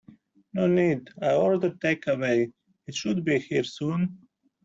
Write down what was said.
No need, I ordered take away, it should be here soon.